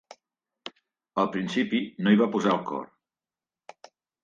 Al principi, no hi va posar el cor.